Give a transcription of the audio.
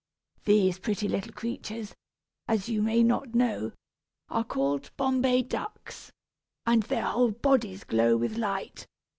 These pretty little creatures, as you may not know, are called Bombay ducks, and their whole bodies glow with light.